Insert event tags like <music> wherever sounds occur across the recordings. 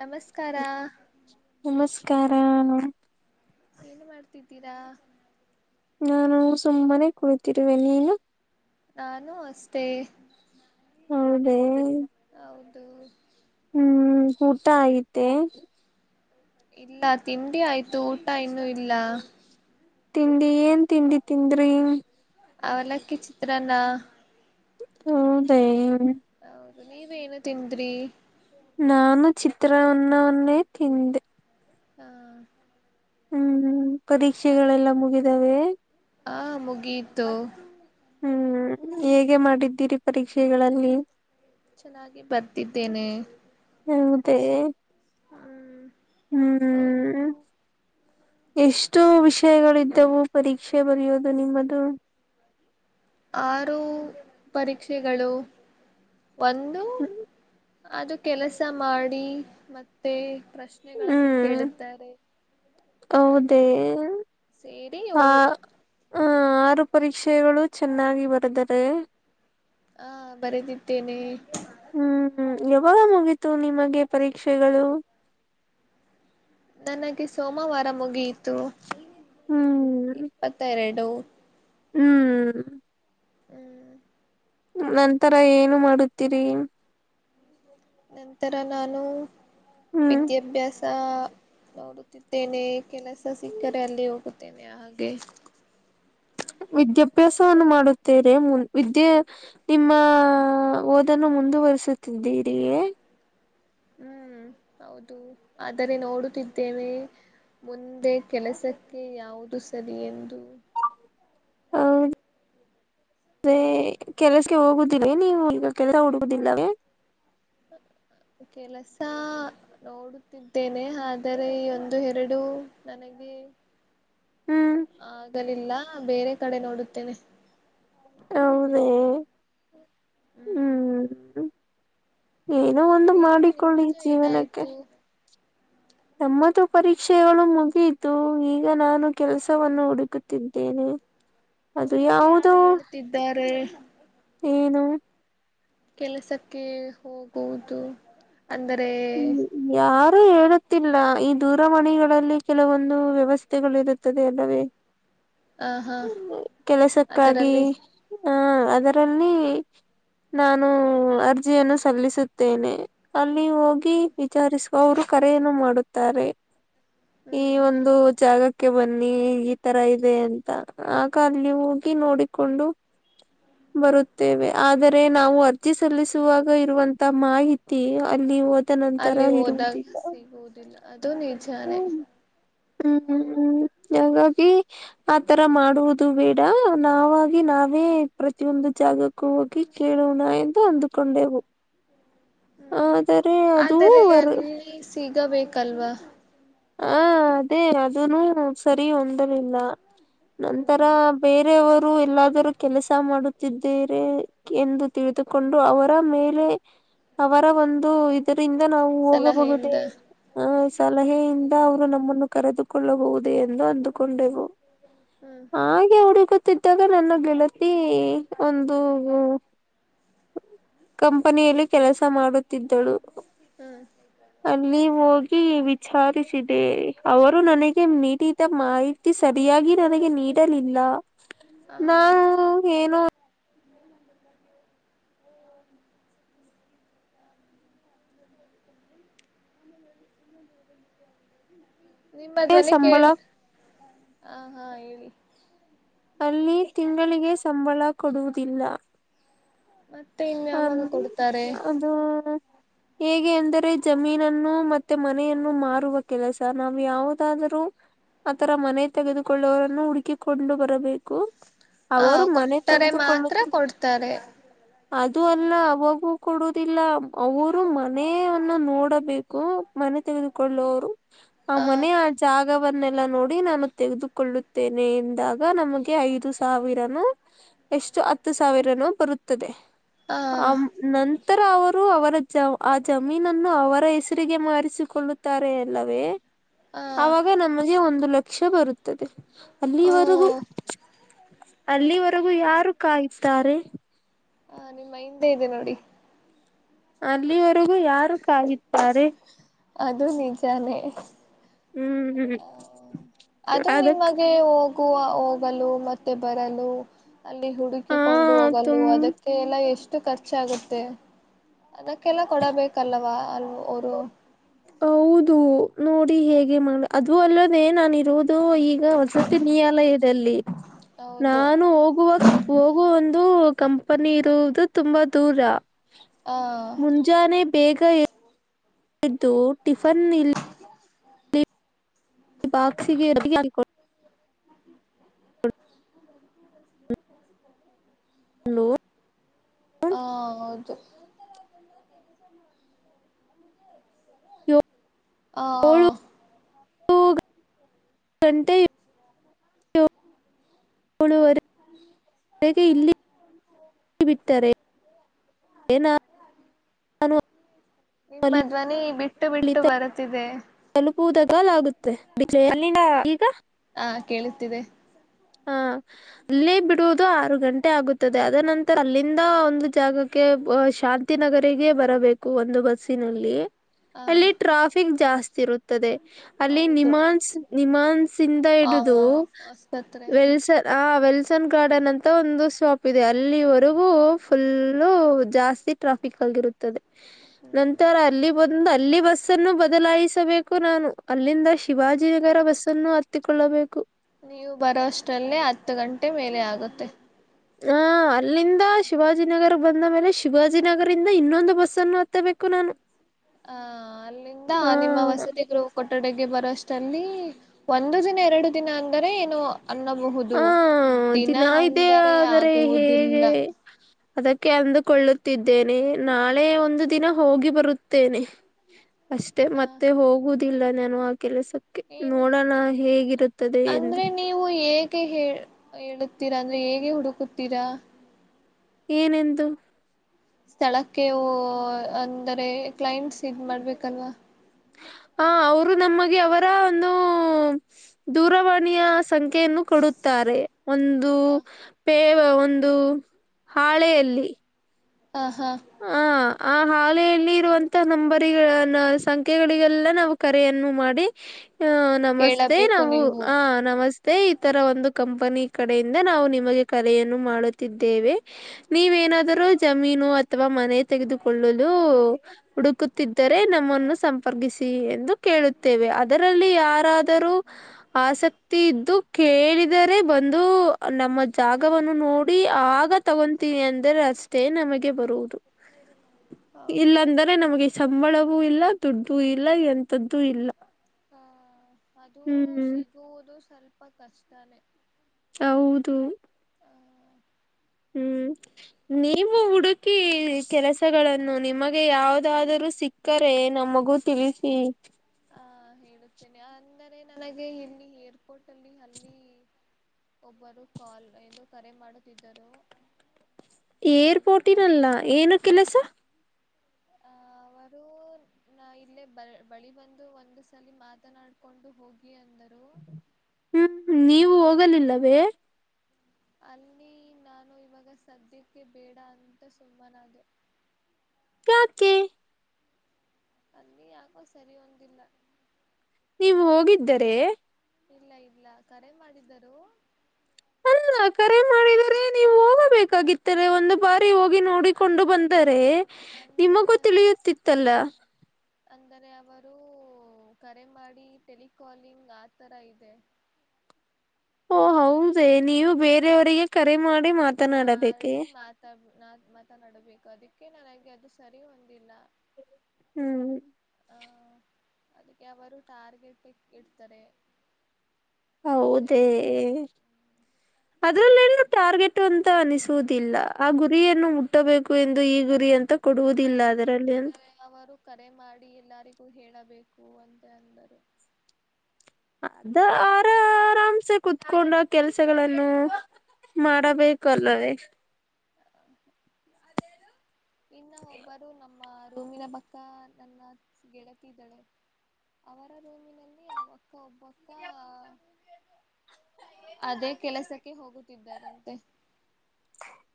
ನಮಸ್ಕಾರ ಕಾರನು ಏನು ಮಾಡ್ತಿದ್ದೀರಾ ನಾನು ಸುಮ್ಮನೆ ಕುತಿರುವರುವೆ ನಿನು ನಾನು ಅಷ್ಟೇ ಹೌದೇ ಹೌದು ಹ್ಮ್ ಊಟ ಆಯಿತೆ ಇಲ್ಲ ತಿಂಡಿ ಆಯ್ತು ಊಟ ಇನ್ನುೂ ಇಲ್ಲ ತಿಂಡಿ ಏನ್ ತಿಂಡಿ ತಿಂದ್ರಿ ಅವಲಕ್ಕಿ ಚಿತ್ರನ್ನ ಹದ <inaudible> ನೀವೇಏನು ತಿಂದ್ರಿ ನಾನು ಚಿತ್ರಾನ್ನವನ್ನೇ ತಿಂದೆ ಹಾ ಹ್ಮ್ ಹ್ಮ್ ಪರೀಕ್ಷೆಗಳೆಲ್ಲ ಮುಗಿದಾವೆ ಆ ಮುಗಿಯತು ಹ್ಮ್ ಹೇಗೆ ಮಾಡಿದ್ದೀರಿ ಪರೀಕ್ಷೆಗಳಲ್ಲಿ ಚೆನ್ನಾಗಿ ಬರ್ತಿದ್ದೇನೆ ಹೌದ ಹ್ಮ್ ಹೌದು <inaudible> ಎಷ್ಟು ವಿಷಯಗಳಿದ್ದವು ಪರೀಕ್ಷೆ ಬರೆಯೋದು ನಿಮ್ಮದು ಆರು ಪರೀಕ್ಷೆಗಳು ಒಂದು ಅದು ಕೆಲಸ ಮಾಡಿ ಮತ್ತೆ ಪ್ರಶ್ನೆಗಳನ್ನು ಕೇಳುತ್ತಾರೆ ಅದು ಹೌದ ಸೇರಿ ಆ ಏಳು ಪರೀಕ್ಷೆಗಳು ಚೆನ್ನಾಗಿ ಬರೆದರೆ ಹಾ ಬರೆದಿದ್ದೇನೆ ಹ್ಮ್ ಯಾವಾಗ ಮುಗೀತು ನಿಮಗೆ ಪರೀಕ್ಷೆಗಳು ನನಗೆ ಸೋಮವಾರ ಮುಗಿಯಿತು ಹ್ಮ್ ಇಪ್ಪತ್ತೆರಡು ಲ <inaudible> ಹ್ಮ್ ಹ್ಮ್ ನಂತರ ಏನು ಮಾಡುತ್ತೀರಿ ನಂತರ ನಾನು ಹ್ಮ್ ವಿದ್ಯಾಭ್ಯಾಸ ನೋಡುತ್ತಿದ್ದೇನೆ ಕೆಲಸ ಸಿಕ್ಕರೆ ಅಲ್ಲಿ ಹೋಗುತ್ತೇನೆ ಹಾಗ ಹಾಗೆ ವಿದ್ಯಾಭ್ಯಾಸವನ್ನು ಮಾಡುತ್ತೇರೆ ವಿದ್ಯೆ ನಿಮ್ಮ ಓದನ್ನು ಮುಂದುವಸುತ್ತಿದ್ದೀರಿಯೇ ಹ್ಮ್ <unintelligible> ಹೌದು ಆದರೆ ನೋಡುತ್ತಿದ್ದೇವೆ ಮುಂದೆ ಕೆಲಸಕ್ಕೆ ಯಾವುದು ಸರಿ ಎಂದು ಹ <inaudible> ಅದೇ ಕೆಲಸಗೆ ಹೋಗುದರಿ ನೀವುಗ ಕೆಲ ಹುಡುಗುದಿಲ್ಲವೇ ಹ್ಮ <inaudible> ಕೆಲಸ ನೋಡುತ್ತಿದ್ದೇನೆ ಆದರೆ ಈ ಒಂದು ಎರಡು ನನಗೆ <inaudible> ಹ್ಮ್ ಆಗಲಿಲ್ಲ ಬೇರೆ ಕಡೆ ನೋಡುತ್ತೇನೆ <inaudible> ಹೌದೇ ಹ್ಮ್ <inaudible> ಏನೋ ಒಂದು ನೀವು ಮಾಡಿಕೊಳ್ಳಿ ನಿಮ್ಮದು ಜೀವನಕ್ಕೆ ಏನಾಯ್ತು ನಮ್ಮದು ಪರೀಕ್ಷೆಗಳು ಮುಗಿತು ಈಗ ನಾನು ಕೆಲಸವನ್ನು ಹುಡುಕುತ್ತಿದ್ದೇನೆ ಅದು ನಿಮಗೆ ಯಾವುಧೋ ಯಾರು ಹೇಳುತ್ತಿದ್ದಾರೆ ಏನು ಕೆಲಸಕ್ಕೆ ಹೋಗುವುದು ಅಂದರೆ ಅ ಹೇಳುತ್ತಿಲ್ಲ ಈ ದೂರವಾಣಿಗಳಲ್ಲಿ ಕೆಲವೊಂದು ವ್ಯವಸ್ಥೆಗಳು ಇರುತ್ತದೆ ಅಲ್ಲವೇ ಆ ಹಾ ಕೆಲಸಕ್ಕಾಗಿ <inaudible> ಅದರಲ್ಲಿ ಹಾ ಅದರಲ್ಲಿ ನಾನು ಅರ್ಜಿಯನ್ನು ಸಲ್ಲಿಸುತ್ತೇನೆ ಅಲ್ಲಿ ಹೋಗಿ ವಿಚಾರಿಸುವ ಅವರು ಕರೆಯನ್ನು ಮಾಡುತ್ತಾರೆ ಈ ಹ್ಮ್ ಒಂದು ಜಾಗಕ್ಕೆ ಅಕ್ಕೆ ಬನ್ನಿ ಈ ತರ ಇದೆ ಅಂತ ಆಗ ಅಲ್ಲಿ ಹೋಗಿ ನೋಡಿಕೊಂಡು ಬರುತ್ತೇವೆ ಆದರೆ ನಾವು ಅರ್ಜಿ ಸಲ್ಲಿಸುವಾಗ ಇರುವಂತ ಮಾಹಿತಿ ಅಲ್ಲಿ ನಂತರ ಅಲ್ಲಿ ಹೋದಾಗ ಇರುವುದಿಲ್ಲ ಸಿಗುವುದಿಲ್ಲ ಅದು ನಿ ಹ್ಮ್ ಹ್ಮ್ ಹ್ಮ್ ಹ್ಮ್ ಹಾಗಾಗಿ ಆತರ ಮಾಡುವುದು ಬೇಡ ನಾವಾಗಿ ನಾವೇ ಪ್ರತಿಯೊಂದು ಜನ ಜಾಗಕ್ಕೂ ಹೋಗಿ ಕೇಳೋಣ ಎಂದು ಅಂದುಕೊಂಡೆವು ಹ್ಮ್ ಆದರೆ ಅದು ಆದರೆ ವರ್ ಅಲ್ಲಿ ಸಿಗಬೇಕಲ್ವಾ ಹಾ ಅದೇ ಅದನು ಸರಿ ಹೊಂದಲಿಲ್ಲ ನಂತರ ಹ್ಮ್ ಬೇರೆಯವರು ರು ಎಲ್ಲಾದರೂ ಕೆಲಸ ಮಾಡುತ್ತಿದ್ದೇರೆ ಎಂದು ತಿಳಿದುಕೊಂಡು ಅವರ ಮೇಲೆ ಅವರ ಒಂದು ಇದರಿಂದ ನಾವು ಸಲಹೆಯಿಂದ ಹೋಗಬಹುದೇ ಆ ಸಲಹೆಯಿಂದ ಅವರು ನಮ್ಮನ್ನು ಕರೆದುಕೊಳ್ಳಬಹುದೇ ಎಂದು ಅಂದುಕೊಂಡೆವು ಹ್ಮ್ ಹಾಗೆ ಹುಡುಗ ತಿದ್ದಾಗ ನನ್ನ ಗೆಳತಿ ಒಂದು ಕಂಪನಿಯಲ್ಲಿ ಕೆಲಸ ಮಾಡು ತಿದಳ್ಳು ಹ್ಮ್ ಅಲ್ಲಿ ಹೋಗಿ ವಿಚಾರಿಸಿ ಅವರು ನನಗೆ ನೀಡಿದ ಮಾಹಿತಿ ಸರಿಯಾಗಿ ನನಗೆ ನೀಡಲಿಲ್ಲ ಹ ಮ ನಾವು ಏನು <unintelligible> ನಿಮ್ಮ ಧ್ವನಿ ಸಂಬಳ ಕೇಳ್ ಆ ಹಾ ಹೇಳಿ ಅಲ್ಲಿ ತಿಂಗಳಿಗೆ ಸಂಬಳ ಕೊಡುವುದಿಲ್ಲ <unintelligible> ಹ ಯಾವಾಗ ಕೊಡ್ತಾರೆ ಅದು ಹೇಗೆ ಅಂದರೆ ಜಮೀನನ್ನು ಮತ್ತೆ ಮನೆಯನ್ನು ಮಾರುವ ಕೆಲಸ ನಾವು ಯಾವುದಾದರೂ ಆತರ ಮನೆ ತೆಗೆದುಕೊಳ್ಳುವವರನ್ನು ಹುಡುಕಿಕೊಂಡು ಬರಬೇಕು ಆ ಅವರು ಮನೆ ಕೊಟ್ಟರೆ ಮಾತ್ರ ತೆಗೆದುಕೊಳ್ಳುತ್ತ ಕೊಡ್ತಾರೆ ಅದು ಅಲ್ಲ ಅವಾಗೂ ಕೊಡುದಿಲ್ಲ ಅವರು ಮನೆಯನ್ನ ನೋಡಬೇಕು ತೆಗೆದುಕೊಳ್ಳುವರು ಆ ಮನೆಯ ಆ ಜಾಗ ವನ್ನೆಲ್ಲಾ ನೋಡಿ ನಾನು ತೆಗೆದುಕೊಳ್ಳುತ್ತೇನೆ ಎಂದಾಗ ನಮಗೆ ಐದು ಸಾವಿರನು ಎಷ್ಟು ಹತ್ತು ಸಾವಿರನುೂ ಬರುತ್ತದೆ ಆ ನನ್ ನಂತರ ಅವರು ಅವರ ಆ ಜಮೀನನ್ನು ಅವರ ಹೆಸರಿಗೆ ಮಾರಿಸಿಕೊಳ್ಳುತ್ತಾರೆ ಅಲ್ಲವೇ ಆ ಆವಾಗ ನಮಗೆ ಒಂದು ಲಕ್ಷ ಬರುತ್ತದೆ ಓ ಅಲ್ಲಿವರೆಗೂ ಅಲ್ಲಿವರೆಗೂ ಯಾರು ಕಾಯತಾರೆ ಹಾ ನಿಮ್ಮ ಹಿಂದೆ ಇದೆ ನೋಡಿ ಅಲ್ಲಿವರೆಗೂ ಯಾರು ಕಾಯತಾರೆ ಅದು ನಿಜಾನೆ ಹ್ಮ್ ಹ್ಮ್ ಅದು ನಿಮಗೆ ಹೋಗುವ ಹೋಗಲು ಮತ್ತೆ ಬರಲು ಅಲ್ಲಿ ಹ ಹುಡುಕಿಕೊಂಡು ಹೋಗಲು ತುಮ್ ಅದಕ್ಕೆ ಎಲ್ಲ ಎಷ್ಟು ಖರ್ಚಾಗುತ್ತೆ ಅದಕ್ಕೆಲ್ಲ ಕೊಡಬೇಕಲ್ಲವಾ ಅಲ್ ಅವರು ಹೌದು ನೋಡಿ ಹೇಗೆ ಮಾಡ ಅದು ಅಲ್ಲದ ಏನಾನಿರುದು ಇ ಈಗ ವಸತಿ ನಿಯಾಲಯದಲ್ಲಿ ಹೌದು ನಾನು ಹೋಗುವ ಹೋಗುವ ಒಂದು ಕಂಪನಿ ಇರುವುದು ತುಂಬಾ ದೂರ ಹಾ ಮುಂಜಾನೆ ಬೇಗ ಎ ದು ಟಿಫನ್ ಇಲ್ಲ ಈ ಬಾಕ್ಸಿಗೆ <unintelligible> ಹಾ ಹೌದು <inaudible> ಹ ಗಂಟೆ <inaudible> ಏಳುವರೆಗೆ ಇಲ್ಲಿ ಬಿಟ್ಟರೆ ಏನ <inaudible> ನಿಮ್ಮ ಧ್ವನಿ ಬಿಟ್ಟು ಬಿಟ್ಟು ಬರುತ್ತಿದೆ ಮ ಈಗ <inaudible> ಹಾ ಕೇಳುತ್ತಿದೆ ಹಾ ಅಲ್ಲೇ ಬಿಡುವುದು ಆರು ಗಂಟೆ ಆಗುತ್ತದೆ ಅದ ನಂತರ ಅಲ್ಲಿಂದ ಒಂದು ಜಾಗಕ್ಕೆ ಶಾಂತಿನಗರಿಗೆ ಬರಬೇಕು ಒಂದು ಬಸ್ಸಿನಲ್ಲಿ ಹಾ ಅಲ್ಲಿ ಟ್ರಾಫಿಕ್ ಜಾಸ್ತಿ ಇರುತ್ತದೆ ಅಲ್ಲಿ ಹೌದು ನಿಮಾನ್ಸ್ ನಿಮಾನ್ಸ್ ಇಿಂದ ಹಿಡಿದು ಪತ್ ವೆಲ್ಸನ್ ಆ ವೆಲ್ಸನ್ ಗಾರ್ಡನ್ ಅಂತ ಒಂದು ಶಾಪ್ ಇದೆ ಅಲ್ಲಿವರೆಗೂ ಫುಲ್ಲು ಜಾಸ್ತಿ ಹೆವಿ ಟ್ರಾಫಿ ಆಗಿರುತ್ತದೆ ನಂತರ ಅಲ್ಲಿ ಬಂದು ಅಲ್ಲಿ ಬಸ್ನ್ನು ಬದಲಾಯಿಸಬೇಕು ನಾನು ಅಲ್ಲಿಂದ ಶಿವಾಜಿನಗರ ಬಸ್ ಅನ್ನು ಹತ್ತಿಕೊಳ್ಳಬೇಕು ನೀವು ಬರೋಷ್ಟಲ್ಲೇ ಹತ್ತು ಗಂಟೆ ಮೇಲೆ ಆಗುತ್ತೆ ಹ ಅಲ್ಲಿಂದ ಶಿವಾಜಿನಗರ ಬಂದ ಮೇಲೆ ಶಿವಾಜಿನಗರಂದ ಇನ್ನೊಂದು ಬಸ್ಸ ಅನ್ನು ಹತ್ತಬೇಕ ಕನನ್ <inaudible> ಹ ಅಲ್ಲಿಂದ ನಿಮ್ಮ ವಸತಿಗರು ಕೊಠಡಗೆ ಬರೋಷ್ಟು ಲ್ಲಿ ಒಂದು ದಿನ ಎರಡು ದಿನ ಅಂದರೆ ಏನುೋ ಅನ್ನಬಹುದು ಹ ದಿನ ದಿನಾ ಇದೇ ಅಂದರೆ ಆದರೆ ಆಗುವುದಿಲ್ಲ ಹೇಗೆ ಅದಕ್ಕೆ ಅಂದುಕೊಳ್ಳುತ್ತಿದ್ದೇನೆ ನಾಳೆ ಒಂದು ದಿನ ಹೋಗಿ ಬರುತ್ತೇನೆ ಅಷ್ಟೆ ಹ ಮತ್ತೆ ಹೋಗುದಿಲ್ಲ ನಾನು ಆ ಕೆಲಸಕ್ಕೆ ಏನು ನೋಡೋಣ ಹೇಗಿರುತ್ತದೆ ಎಂದು ಯಾೆ ಹ ಹೇಳುತ್ತೀರಾ ಅಂದ್ರೆ ಹೇಗೆ ಹುಡುಕುತ್ತೀರಾ ಏನೆಂದು ಸ್ಥಳಕ್ಕೆ ಅಂದರೆ ಕ್ಲೈಂಟ್ಸ್ ಇದ ಮಾಡ್ಬೇಕಲ್ವಾ ಹ ಅವರು ನಮಗೆ ಅವರ ಒಂದು ದೂರವಾಣಿಯ ಸಂಖ್ಯೆಯನ್ನು ಕೊಡುತ್ತಾರೆ ಒಂದು ಹ ಪೇವ ಒಂದು ಹಾಳೆಯಲ್ಲಿ ಹ ಹಾ ಹ ಆ ಹಾಲೆಯಲ್ಲಿ ಇರುವಂತ ನಂಬರಿಗಳ ಸಂ ಗಳಿಗೆಲ್ಲ ನಾವು ಕರೆಯನ್ನು ಮಾಡಿ ಆ ನಮಸ್ತೆ ಕೇಳಬೇಕು ನಾವು ನೀವು ಹ ನಮಸ್ತೆ ಇತರ ಒಂದು ಕಂಪನಿ ಕಡೆಯಿಂದ ನಾವು ನಿಮಗೆ ಕಲೆಯನ್ನು ಮಾಡುತ್ತಿದ್ದೇವೆ ನೀವ ಏನಾದರೂ ಜಮೀನು ಅಥವಾ ಮನೆ ತೆಗೆದುಕೊಳ್ಳಲು ಹುಡುಕುತ್ತಿದ್ದರೆ ನಮ್ಮನ್ನು ಸಂಪರ್ಕಿಸಿ ಎಂದು ಕೇಳುತ್ತೇವೆ ಅದರಲ್ಲಿ ಯಾರಾದರೂ ಆಸಕ್ತಿ ಇದ್ದು ಕೇಳಿದರೆ ಬಂದು ನಮ್ಮ ಜಾಗವನ್ನು ನೋಡಿ ಆಗ ತಗೊತೀನಿ ಅಂದ್ರೆ ಅಷ್ಟೇ ನಮಗೆ ಬರುದು ಹೌದು ಇಲ್ಲಂದರೆ ನಮಗೆ ಸಂಬಳವೂ ಇಲ್ಲ ದುಡ್ಡ ಇಲ್ಲ ಎಂತದ್ದು ಇಲ್ಲ ಹಾ ಅದು ಹ್ಮ್ ಸಿಗುವುದು ಸ್ವಲ್ಪ ಕಷ್ಟನೇ ಹೌದು ಹ್ಮ್ ನೀವು ಹುಡುಕಿ ಕೆಲಸಗಳನ್ನು ನಿಮಗೆ ಯಾವದಾದರೂ ಸಿಕ್ಕರೆ ನಮ್ಮ ಮಗು ತಿಳಿಸಿ ಹ ಹೇಳುತ್ತೇನೆ ಅಂದರೆ ನನಗೆ ಇಲ್ಲಿ ಏರ್ಪೋರ್ಟ್ ಅಲ್ಲಿ ಅಲ್ಲಿ <inaudible> ಒಬ್ಬರು ಕಾಲ್ ಎಂದು ಕರೆ ಮಾಡುತ್ತಿದ್ದರು <inaudible> ಏರ್ ಪೋಟಿನಲ್ಲ ಏನು ಕೆಲಸ ಅವರು <unintelligible> ಇಲ್ಲೇ ಬ ಬಳಿ ಬಂದು ಒಂದು್ ಸಲಿ ಮಾತನಾಡ್ಕೊಂಡು ಹೋಗ ಹ್ಮ್ ನೀವು ಹೋಗಲಿಲ್ಲವೇ ಅಲ್ಲಿ ನಾನು ಇವಾಗ ಸದ್ಯಕ್ಕೆ ಬೇಡ ಅಂತ ಸುಮ್ಮನಾಗೆ <unintelligible> ಕೆ <inaudible> ಅಲ್ಲಿ ಯಕೋ ಸರಿ ಒಂದಿಲ್ಲ <inaudible> ನೀವು ಹೋಗಿದ್ದರೆ ಇಲ್ಲ ಇಲ್ಲ ಕರೆ ಮಾಡಿದ್ದರು ಅಲ್ಲ ಕರೆ ಮಾಡಿದರೆ ನೀವು ಹೋಗಬೇಕಾಗಿತ್ತಲೆ ಒಂದು ಬಾರಿ ಅನ್ ನೋಡಿಕೊಂಡು ಬಂದರೆ ನಿಮಗೂ ಅಂದರೆ ತಿಳಿಯುತ್ತಿತ್ತಲ್ಲ ಅಂದರೆ ಅವರು ಕರೆ ಮಾಡಿ ಟೆಲಿಕಾಲಿಂಗ್ ಆತರ ಇದೆ <unintelligible> ಓ ಹೌದ ನೀವು ಬೇರೆಯವರಿಗೆ ಕರೆ ಮಾಡಿ ಮಾತನಾಡಬೇಕೆ ಮಾಡಿ ಮಾತಾ ಮಾತನಾಡಬೇಕು ಅದಕ್ಕೆ ನನಗೆ ಅದು ಸರಿ ಹೊಂದಿಲ್ಲ ಹ್ಮ್ ಹ ಅದಕ್ಕೆ ಅವರು ಟಾರ್ಗೆಟ್ ಇಡ್ತಾರೆ ಅದೇ ಹೌದೇ ಅದು ಅದ್ರಲ್ಲ ಏನು ಟಾರ್ಗೆಟ್ ಅಂತ ಅನಿಸುವುದಿಲ್ಲ ಆ ಗುರಿಯನ್ನು ಮುಟ್ಟಬೇಕು ಎಂದು ಈ ಗುರಿ ಅಂತ ಕೊಡುವುದಿಲ್ಲ ಅದರಲ್ಲಿ ಅಂತ ಅಂದೆ ಅವರು ಕರೆ ಮಾಡಿ ಎಲ್ಲಾರಿಗ ಹೇಳಬೇಕು ಅಂತ ಅಂದರು ಅದ ಆರ ಆರಾಮ್ಸೆ ಕುೂತ್ಕೊಂಡ ಕೆಲ್ಸಗಳನ್ನು ಮಾಡಬೇಕಲ್ಲವೇ ಇನ್ನು ಒಬ್ಬರು ನಮ್ಮ ರೂಮಿನ ಪಕ್ಕ ನನ್ನ ಗೆಳತಿದ್ದಳೆ ಅವರ ರೂಮಿನಲ್ಲಿ ಅಕ್ಕ ಒಬಕ್ಕ ಅದೇ ಕೆಲಸಕ್ಕೆ ಹೋಗುತ್ತಿದ್ದಾರಂತೆ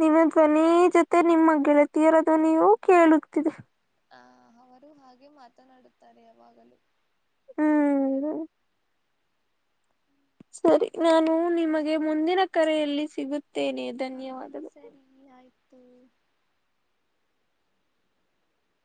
ನಿನ್ನ ಧ್ವನಿ ಜೊತೆ ನಿಮ ಗೆಳತಿಯರ ಧ್ವನಿಯು ಕೇಳುತಿದೆ ಹ ಅವರು ಹಾಗೆ ಮಾತನಾಡುತ್ತಾರೆ ಯಾವಾಗಲೂ ಹ್ಮ್ ಸರಿ ನಾನು ನಿಮಗೆ ಮುಂದಿನ ಕರೆಯಲ್ಲಿ ಸಿಗುತ್ತ ನೆ ಧನ್ಯವಾದಗಳು ಹ್ಮ್